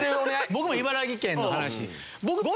僕も茨城県の話。